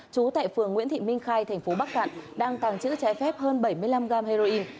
trú tại phường nguyễn thị minh khai thành phố bắc cạn đang tàng trữ trái phép hơn bảy mươi năm gram heroin